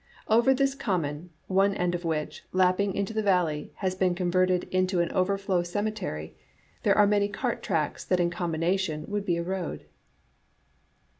Over this common, one end of which, lapping into the valley, has been converted into an overflow cemetery, there are many cart tracks that in combination would be a road."